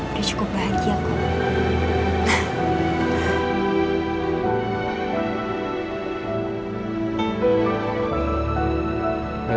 udah cukup bahagia kok